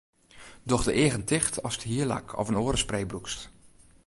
Doch de eagen ticht ast hierlak of in oare spray brûkst.